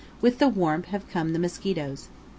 with the warmth have come the mosquitoes.